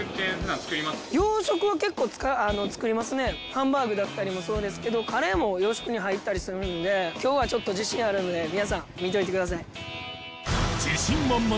ハンバーグだったりもそうですけどカレーも洋食に入ったりするんで今日はちょっと自信あるので皆さん見といてください。